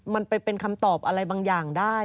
มันไปเป็นคำตอบอะไรบางอย่างได้